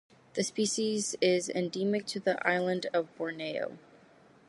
The species is endemic to the island of Borneo.